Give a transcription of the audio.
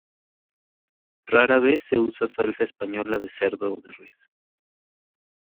Rara vez se usa salsa española de cerdo o res.